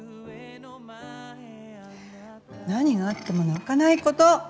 何があっても泣かないこと。